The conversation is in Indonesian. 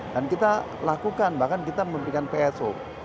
dan kita lakukan bahkan kita memberikan pso